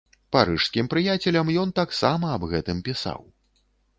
Парыжскім прыяцелям ён таксама аб гэтым пісаў.